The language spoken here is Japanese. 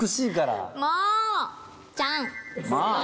もうちゃん！